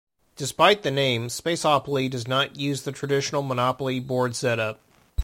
Despite the name, "Spaceopoly" does not use the traditional "Monopoly" board setup.